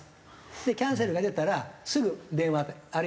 でキャンセルが出たらすぐ電話あるいは。